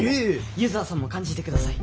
柚子葉さんも感じてください